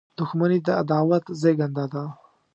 • دښمني د عداوت زیږنده ده.